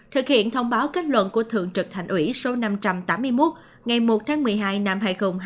thực hiện thông báo kết luận của thượng trực thành ủy số năm trăm tám mươi một ngày một tháng một mươi hai năm hai nghìn hai mươi